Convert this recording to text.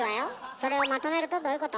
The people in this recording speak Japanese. それをまとめるとどういうこと？